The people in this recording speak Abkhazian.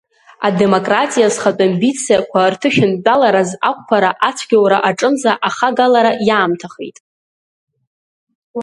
Адемо-кратиа зхатә амбициақәа рҭышәынтәалараз ақәԥара ацәгьоура аҿынӡа ахагалара иаамҭахеит.